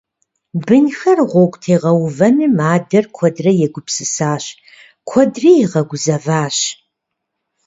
Бынхэр гъуэгу тегъэувэным адэр куэдрэ егупсысащ, куэдри игъэгузэващ.